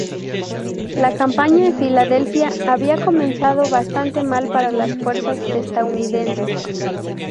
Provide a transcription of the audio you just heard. La campaña en Filadelfia había comenzado bastante mal para las fuerzas estadounidenses.